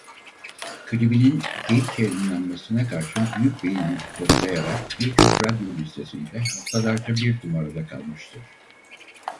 Klibinin geç yayınlanmasına karşın büyük beğeni toplayarak birçok radyo listesinde haftalarca bir numarada kalmıştır.